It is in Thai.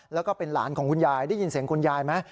แล้วก็เป็นหลานของคุณยายได้ยินเสียงคุณยายไหม